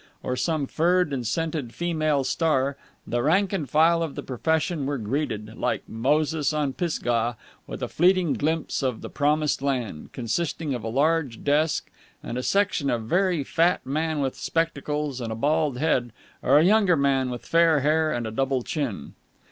or some furred and scented female star, the rank and file of the profession were greeted, like Moses on Pisgah, with a fleeting glimpse of the promised land, consisting of a large desk and a section of a very fat man with spectacles and a bald head or a younger man with fair hair and a double chin.